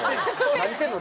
何してんの？